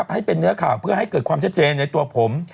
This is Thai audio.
ให้เป็นเนื้อข่าวเพื่อให้เกิดความชัดเจนในตัวผม